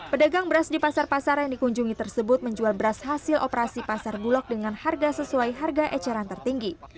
pedagang beras di pasar pasar yang dikunjungi tersebut menjual beras hasil operasi pasar bulog dengan harga sesuai harga eceran tertinggi